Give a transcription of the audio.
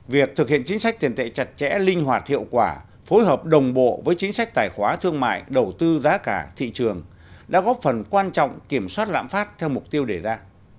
việc thực hiện chính sách tiền tệ chặt chẽ linh hoạt hiệu quả phối hợp đồng bộ với chính sách tài khoá thương mại đầu tư giá cả thị trường đã góp phần quan trọng kiểm soát lãm phát theo mục tiêu đề ra